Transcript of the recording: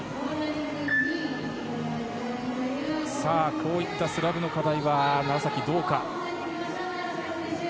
こういったスラブの課題は楢崎、どうか。